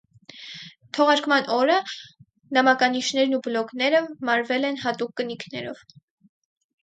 Թողարկման օրը նամականիշերն ու բլոկները մարվել են հատուկ կնիքներով։